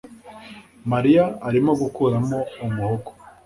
Mariya arimo gukuramo umuhogo